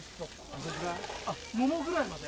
ももぐらいまで？